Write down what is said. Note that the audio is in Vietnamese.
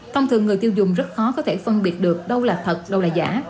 thông thường người tiêu dùng rất khó có thể phân biệt được đâu là thật đâu là giả